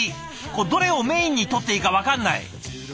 どれをメインに取っていいか分かんない。